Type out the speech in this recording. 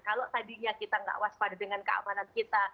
kalau tadinya kita nggak waspada dengan keamanan kita